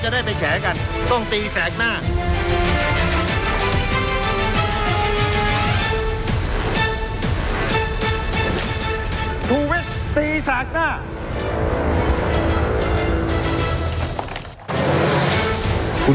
โดย